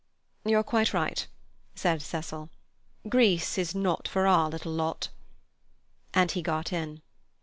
"You're quite right," said Cecil. "Greece is not for our little lot"; and he got in.